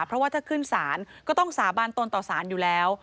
เพราะว่าถ้าขึ้นศาลก็ต้องสาบานตนต่อสารอยู่แล้ว